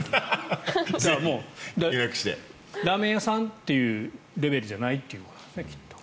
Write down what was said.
ラーメン屋さんというレベルじゃないということですね